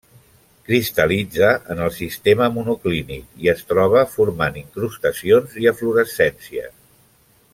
Cristal·litza en el sistema monoclínic, i es troba formant incrustacions i eflorescències.